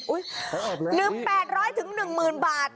อุ้ยลืม๘๐๐๑๐๐๐๐บาท